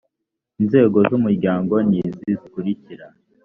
inzego z’umuryango ni izi zikurikira